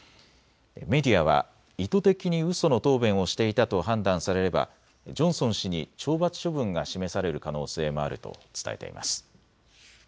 メディアは意図的にうその答弁をしていたと判断されればジョンソン氏に懲罰処分が示される可能性もあると伝えています。